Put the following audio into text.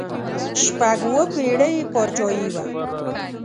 شپږ اووه پړۍ یې بادشاهي وه.